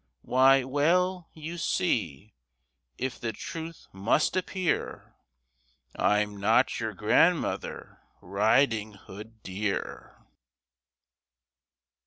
Why, well: you see if the truth must appear I'm not your grandmother, Riding Hood, dear!